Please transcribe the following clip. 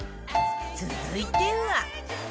続いては